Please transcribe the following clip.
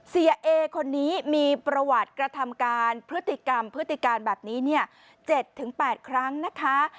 เอคนนี้มีประวัติกระทำการพฤติกรรมพฤติการแบบนี้๗๘ครั้งนะคะ